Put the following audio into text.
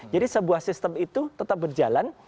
sebuah sistem itu tetap berjalan